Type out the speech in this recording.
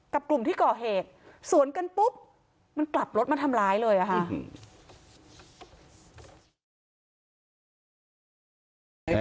กลุ่มที่ก่อเหตุสวนกันปุ๊บมันกลับรถมาทำร้ายเลยอะค่ะ